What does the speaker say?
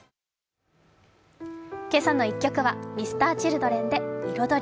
「けさの１曲」はＭｒ．Ｃｈｉｌｄｒｅｎで「彩り」。